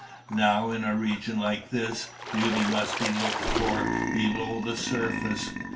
Now in a region like this, beauty must be looked for below the surface.